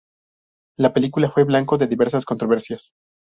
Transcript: La película fue blanco de diversas controversias.